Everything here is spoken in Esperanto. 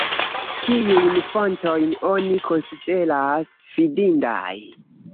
Kiujn fontojn oni konsideras fidindaj?